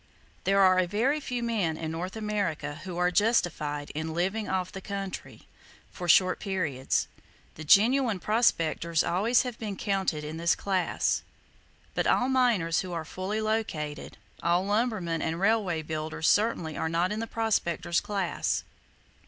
There are a very few men in North America who are justified in "living off the country," for short periods. The genuine prospectors always have been counted in this class; but all miners who are fully located, all lumbermen and railway builders certainly are not in the prospector's class.